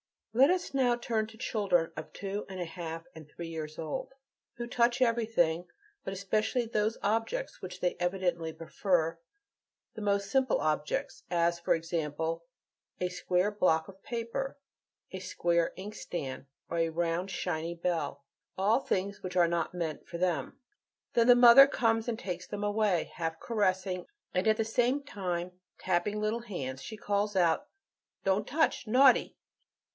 Let us now turn to children of two and a half and three years old, who touch everything, but especially those objects which they evidently prefer, the most simple objects, as, for example, a square block of paper, a square inkstand, or a round, shiny bell. All things which "are not meant for them." Then the mother comes and takes them away; half caressing, and at the same time tapping the little hands, she calls out, "Don't touch! naughty!"